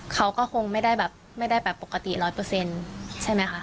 เขาก็คงไม่ได้แบบปกติ๑๐๐ใช่ไหมคะ